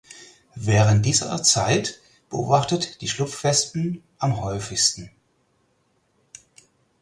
Während dieser Zeit beobachtet die Schlupfwespen am häufigsten.